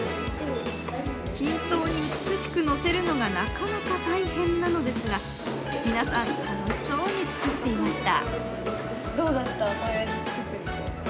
均等に美しくのせるのがなかなか大変なのですが皆さん、楽しそうに作っていました。